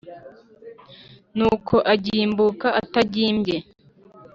Nuko agimbuka atagimbye